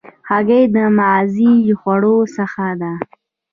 هګۍ د مغذي خوړو څخه ده.